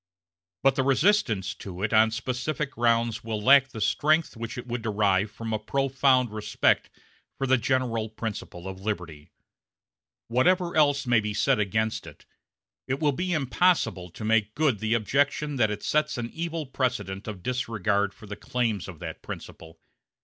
But the resistance to it on specific grounds will lack the strength which it would derive from a profound respect for the general principle of liberty; whatever else may be said against it, it will be impossible to make good the objection that it sets an evil precedent of disregard for the claims of that principle.